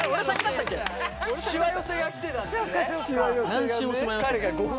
何周もしてもらいました。